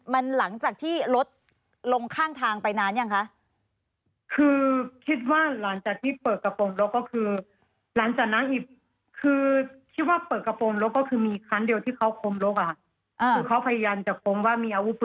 มันหลังจากที่รถลงข้างทางไปนานอย่างคะ